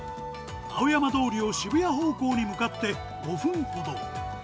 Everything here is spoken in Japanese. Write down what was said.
青山通りを渋谷方向に向かって５分ほど。